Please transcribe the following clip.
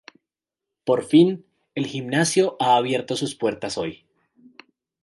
Por fin el gimnasio ha abierto sus puertas hoy